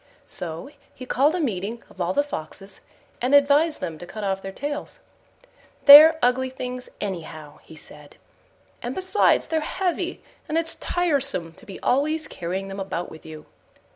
So he called a meeting of all the Foxes, and advised them to cut off their tails: "They're ugly things anyhow," he said, "and besides they're heavy, and it's tiresome to be always carrying them about with you."